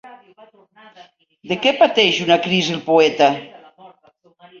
De què pateix una crisi el poeta?